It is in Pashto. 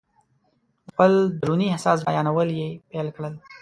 د خپل دروني احساس بیانول یې پیل کړل.